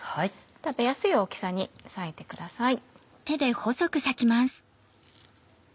食べやすい大きさに割いてください。